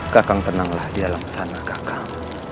kakak tenanglah di dalam sana kakak